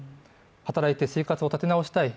働いて生活を立て直したい。